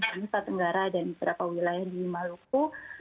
dan juga di tenggara dan beberapa wilayah di maluku